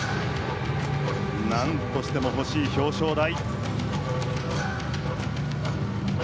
何としても欲しい表彰台。